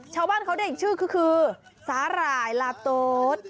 ชาวบ้านเขาได้อีกชื่อคือสาหร่ายลาโต๊ด